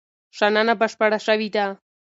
شننه بشپړه شوې ده.